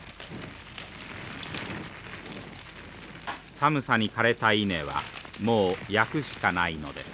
寒さに枯れた稲はもう焼くしかないのです。